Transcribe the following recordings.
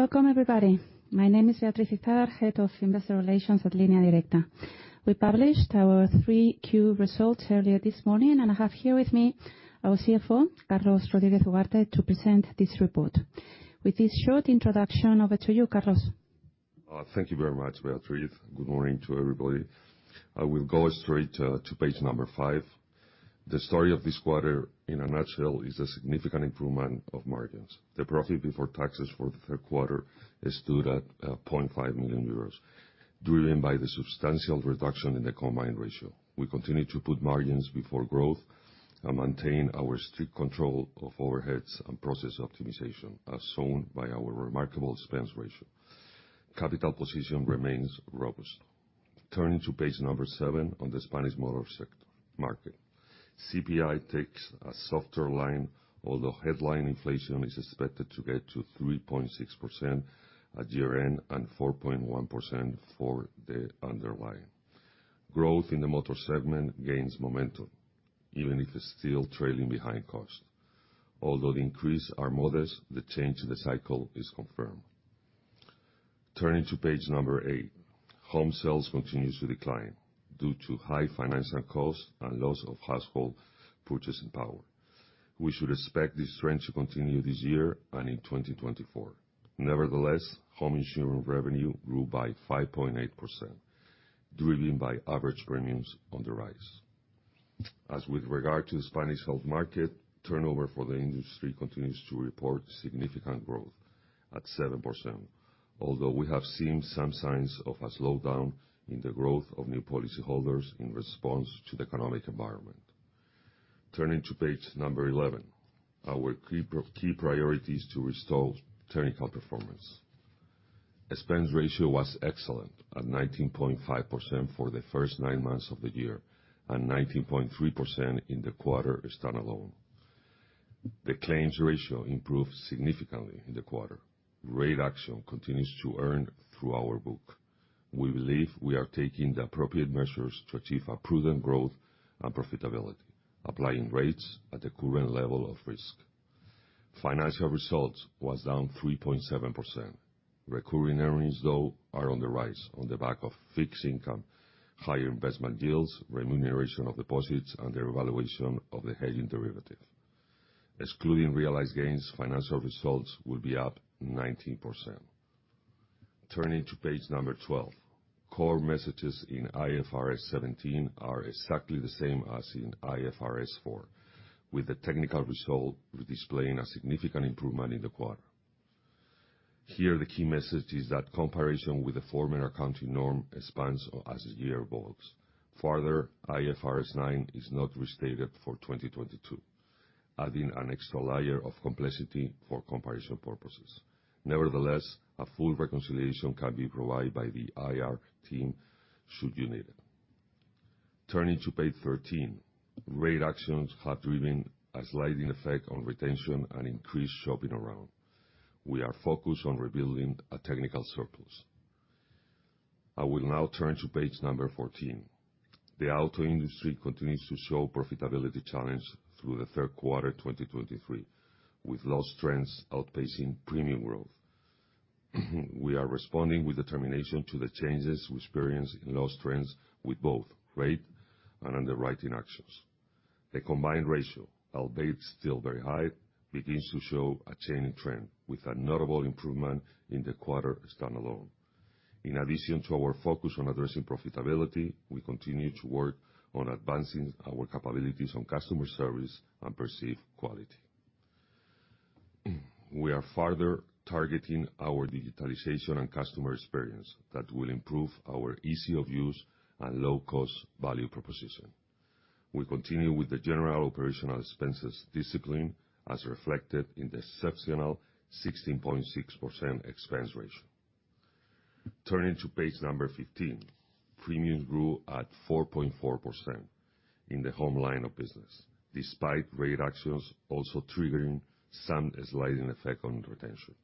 Welcome, everybody. My name is Beatriz Izard, Head of Investor Relations at Línea Directa. We published our 3Q results earlier this morning, and I have here with me our CFO, Carlos Rodríguez Ugarte, to present this report. With this short introduction, over to you, Carlos. Thank you very much, Beatriz. Good morning to everybody. I will go straight to page 5. The story of this quarter, in a nutshell, is a significant improvement of margins. The profit before taxes for the third quarter stood at 0.5 million euros, driven by the substantial reduction in the combined ratio. We continue to put margins before growth and maintain our strict control of overheads and process optimization, as shown by our remarkable expense ratio. Capital position remains robust. Turning to page 7 on the Spanish motor sector market. CPI takes a softer line, although headline inflation is expected to get to 3.6% at year-end and 4.1% for the underlying. Growth in the motor segment gains momentum, even if it's still trailing behind cost. Although the increase are modest, the change in the cycle is confirmed. Turning to page number 8. Home sales continues to decline due to high financial costs and loss of household purchasing power. We should expect this trend to continue this year and in 2024. Nevertheless, home insurance revenue grew by 5.8%, driven by average premiums on the rise. As with regard to the Spanish health market, turnover for the industry continues to report significant growth at 7%, although we have seen some signs of a slowdown in the growth of new policy holders in response to the economic environment. Turning to page number 11, our key priority is to restore technical performance. Expense ratio was excellent at 19.5% for the first nine months of the year and 19.3% in the quarter standalone. The claims ratio improved significantly in the quarter. Rate action continues to earn through our book. We believe we are taking the appropriate measures to achieve a prudent growth and profitability, applying rates at the current level of risk. Financial results was down 3.7%. Recurring earnings, though, are on the rise on the back of fixed income, higher investment yields, remuneration of deposits, and the revaluation of the hedging derivative. Excluding realized gains, financial results will be up 19%. Turning to page 12. Core messages in IFRS 17 are exactly the same as in IFRS 4, with the technical result displaying a significant improvement in the quarter. Here, the key message is that comparison with the former accounting norm expands as the year evolves. Further, IFRS 9 is not restated for 2022, adding an extra layer of complexity for comparison purposes. Nevertheless, a full reconciliation can be provided by the IR team should you need it. Turning to page 13. Rate actions have driven a sliding effect on retention and increased shopping around. We are focused on rebuilding a technical surplus. I will now turn to page number 14. The auto industry continues to show profitability challenge through the third quarter 2023, with loss trends outpacing premium growth. We are responding with determination to the changes we experience in loss trends with both rate and underwriting actions. The combined ratio, albeit still very high, begins to show a changing trend, with a notable improvement in the quarter standalone. In addition to our focus on addressing profitability, we continue to work on advancing our capabilities on customer service and perceived quality. We are further targeting our digitalization and customer experience that will improve our ease of use and low cost value proposition. We continue with the general operational expenses discipline, as reflected in the exceptional 16.6% expense ratio. Turning to page 15. Premiums grew at 4.4% in the home line of business, despite rate actions also triggering some sliding effect on retention.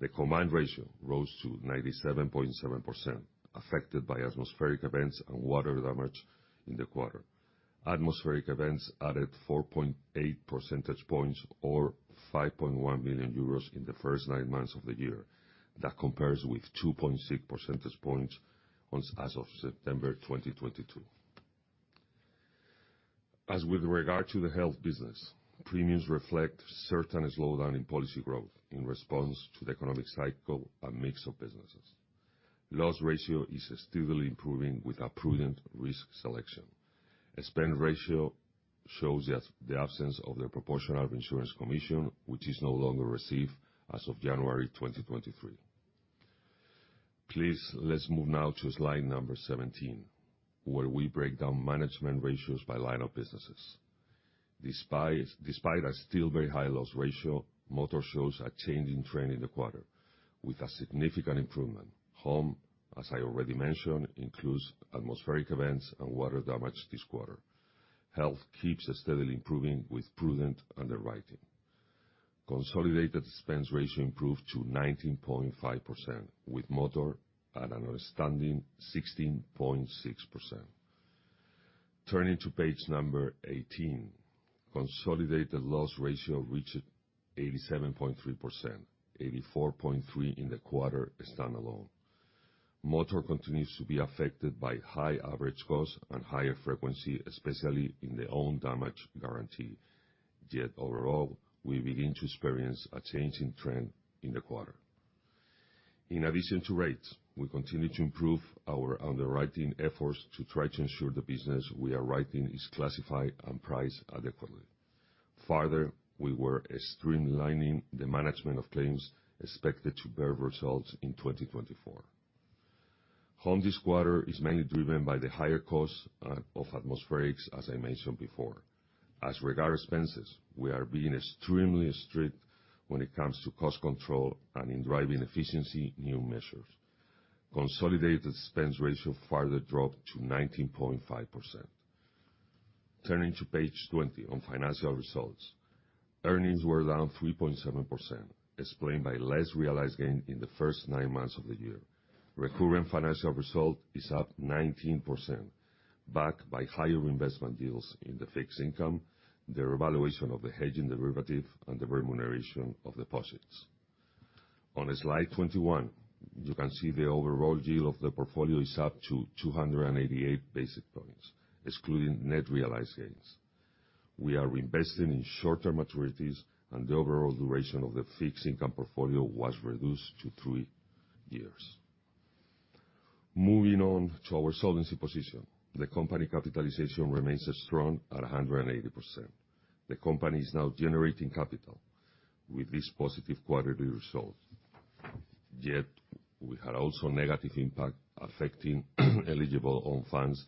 The combined ratio rose to 97.7%, affected by atmospheric events and water damage in the quarter. Atmospheric events added 4.8 percentage points or 5.1 million euros in the first nine months of the year. That compares with 2.6 percentage points as of September 2022. As with regard to the health business, premiums reflect certain slowdown in policy growth in response to the economic cycle and mix of businesses. Loss ratio is steadily improving with a prudent risk selection. Expense ratio shows us the absence of the proportional insurance commission, which is no longer received as of January 2023. Please, let's move now to slide number 17, where we break down management ratios by line of businesses. Despite a still very high loss ratio, motor shows a changing trend in the quarter, with a significant improvement. Home, as I already mentioned, includes atmospheric events and water damage this quarter. Health keeps steadily improving with prudent underwriting. Consolidated expense ratio improved to 19.5%, with motor at an outstanding 16.6%. Turning to page number 18, consolidated loss ratio reached 87.3%, 84.3% in the quarter standalone. Motor continues to be affected by high average cost and higher frequency, especially in the own damage guarantee. Yet overall, we begin to experience a changing trend in the quarter. In addition to rates, we continue to improve our underwriting efforts to try to ensure the business we are writing is classified and priced adequately. Further, we were streamlining the management of claims expected to bear results in 2024. Home this quarter is mainly driven by the higher cost of atmospherics, as I mentioned before. As regards expenses, we are being extremely strict when it comes to cost control and in driving efficiency new measures. Consolidated expense ratio further dropped to 19.5%. Turning to page 20 on financial results. Earnings were down 3.7%, explained by less realized gain in the first 9 months of the year. Recurrent financial result is up 19%, backed by higher investment yields in the fixed income, the revaluation of the hedging derivative, and the remuneration of deposits. On slide 21, you can see the overall yield of the portfolio is up to 288 basis points, excluding net realized gains. We are reinvesting in short-term maturities, and the overall duration of the fixed income portfolio was reduced to 3 years. Moving on to our solvency position, the company capitalization remains strong at 180%. The company is now generating capital with this positive quarterly result. Yet, we had also negative impact affecting eligible own funds,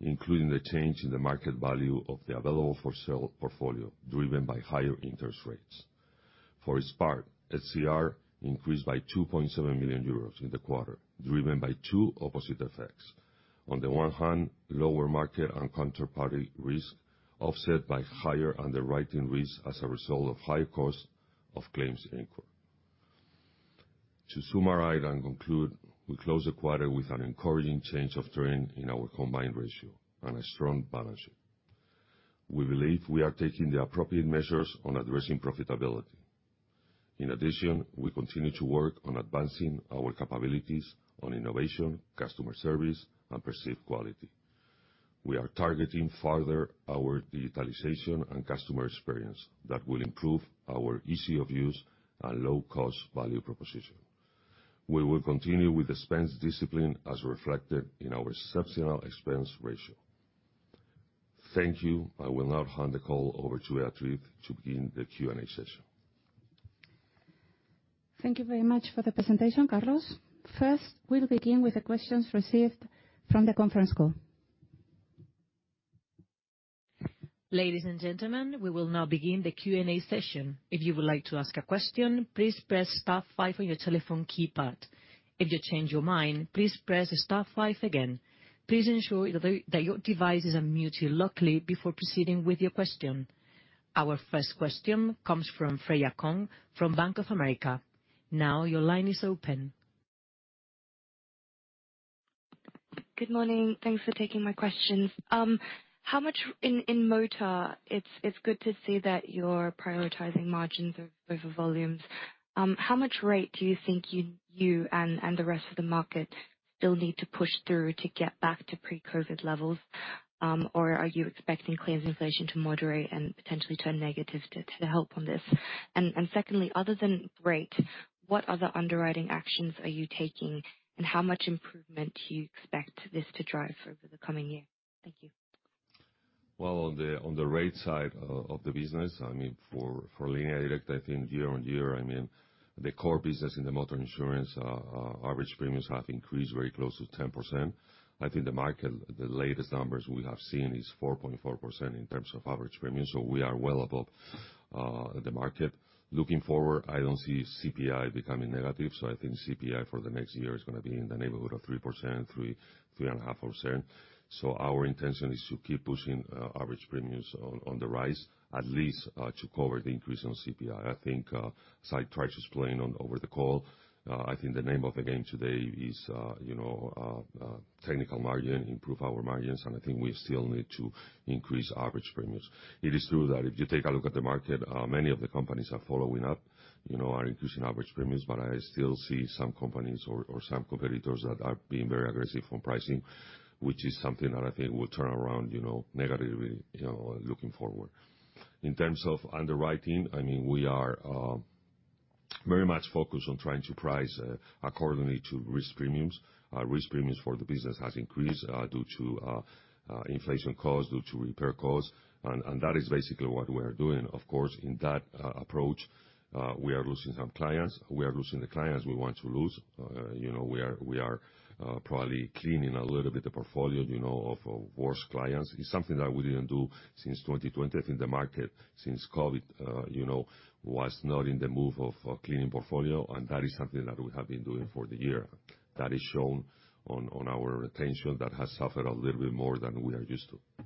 including the change in the market value of the available for sale portfolio, driven by higher interest rates. For its part, SCR increased by 2.7 million euros in the quarter, driven by two opposite effects. On the one hand, lower market and counterparty risk, offset by higher underwriting risk as a result of higher cost of claims incurred. To summarize and conclude, we closed the quarter with an encouraging change of trend in our combined ratio and a strong balance sheet. We believe we are taking the appropriate measures on addressing profitability. In addition, we continue to work on advancing our capabilities on innovation, customer service, and perceived quality. We are targeting further our digitalization and customer experience that will improve our ease of use and low cost value proposition. We will continue with expense discipline, as reflected in our exceptional expense ratio. Thank you. I will now hand the call over to Beatriz to begin the Q&A session. Thank you very much for the presentation, Carlos. First, we'll begin with the questions received from the conference call. Ladies and gentlemen, we will now begin the Q&A session. If you would like to ask a question, please press star five on your telephone keypad. If you change your mind, please press star five again. Please ensure that your device is unmuted locally before proceeding with your question. Our first question comes from Freya Kong, from Bank of America. Now your line is open. Good morning. Thanks for taking my questions. In motor, it's good to see that you're prioritizing margins over volumes. How much rate do you think you and the rest of the market still need to push through to get back to pre-COVID levels? Or are you expecting claims inflation to moderate and potentially turn negative to help on this? And secondly, other than rate, what other underwriting actions are you taking, and how much improvement do you expect this to drive over the coming year? Thank you. Well, on the rate side of the business, I mean, for Línea Directa, I think year-on-year, I mean, the core business in the motor insurance, average premiums have increased very close to 10%. I think the market, the latest numbers we have seen is 4.4% in terms of average premium, so we are well above the market. Looking forward, I don't see CPI becoming negative, so I think CPI for the next year is gonna be in the neighborhood of 3%, 3-3.5%. So our intention is to keep pushing average premiums on the rise, at least, to cover the increase in CPI. I think, as I tried to explain on over the call, I think the name of the game today is, you know, technical margin, improve our margins, and I think we still need to increase average premiums. It is true that if you take a look at the market, many of the companies are following up, you know, are increasing average premiums, but I still see some companies or some competitors that are being very aggressive on pricing, which is something that I think will turn around, you know, negatively, you know, looking forward. In terms of underwriting, I mean, we are very much focused on trying to price accordingly to risk premiums. Risk premiums for the business has increased due to inflation costs, due to repair costs, and that is basically what we are doing. Of course, in that approach, we are losing some clients. We are losing the clients we want to lose. You know, we are probably cleaning a little bit the portfolio, you know, of worse clients. It's something that we didn't do since 2020. I think the market since COVID, you know, was not in the mood of cleaning portfolio, and that is something that we have been doing for the year. That is shown on our retention, that has suffered a little bit more than we are used to.